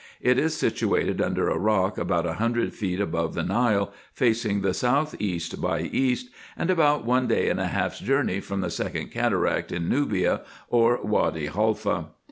It is situated under a rock about a hundred feet above the Nile, facing the south east by east, and about one day and a half's journey from the second cataract in Nubia, or Wady Haifa.